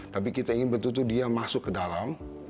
tapi kita ingin betul betul dia masuk ke dalam